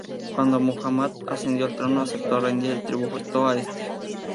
Cuando Muhammad ascendió al trono, aceptó rendir tributo a este.